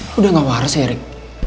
lo udah gak waras ya rik